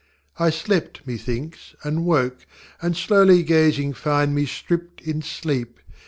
I slept, methinks, and woke, And, slowly gazing, find me stripped in sleep.